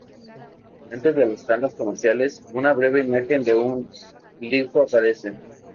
Antes de las tandas comerciales, una breve imagen de un glifo aparece.